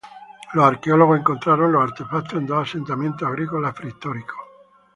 Los arqueólogos encontraron los artefactos en dos asentamientos agrícolas prehistóricos.